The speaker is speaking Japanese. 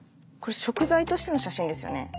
食材としての写真ですよね？